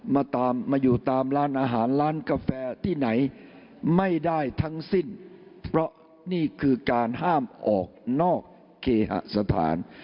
มาตามมาอยู่ตามร้านอาหารร้านกาแฟที่ไหนไม่ได้ทั้งสิ้นเพราะนี่คือการห้ามออกนอกเคหสถาน